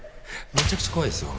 めちゃくちゃ怖いですよ